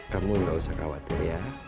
kamu nggak usah khawatir ya